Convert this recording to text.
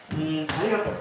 ありがとう。